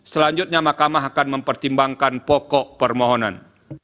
selanjutnya mahkamah akan mempertimbangkan pokok permohonan